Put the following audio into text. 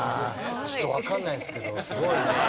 ちょっとわかんないですけどすごいね。